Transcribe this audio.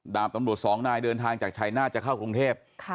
ดาบตำรวจสองนายเดินทางจากชายนาฏจะเข้ากรุงเทพ